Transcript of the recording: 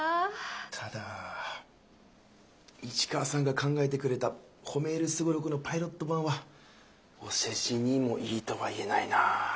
ただ市川さんが考えてくれたほめーるすごろくのパイロット版はお世辞にもいいとは言えないな。